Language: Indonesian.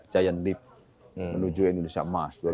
giant leap menuju indonesia emas